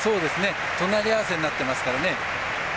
隣り合わせになってますからね。